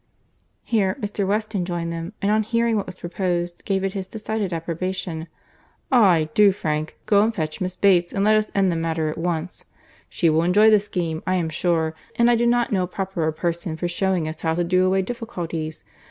Here Mr. Weston joined them, and on hearing what was proposed, gave it his decided approbation. "Aye, do, Frank.—Go and fetch Miss Bates, and let us end the matter at once. She will enjoy the scheme, I am sure; and I do not know a properer person for shewing us how to do away difficulties.